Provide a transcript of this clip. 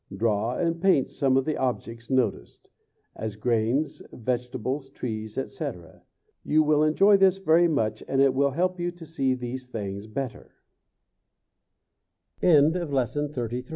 Draw and paint some of the objects noticed; as grains, vegetables, trees, etc. You will enjoy this very much, and it will help you to see these things bette